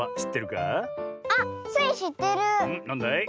なんだい？